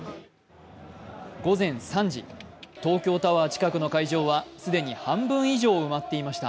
午前３時東京タワー近くの会場は既に半分以上、埋まっていました。